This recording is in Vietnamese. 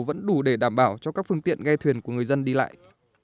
vẫn đủ để đảm bảo cho các phương tiện ghe thuyền của người dân đi lại